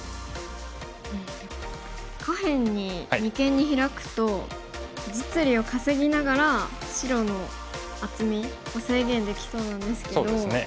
下辺に二間にヒラくと実利を稼ぎながら白の厚みを制限できそうなんですけど。